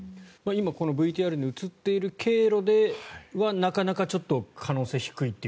今、ＶＴＲに映っている経路ではなかなか可能性が低いと。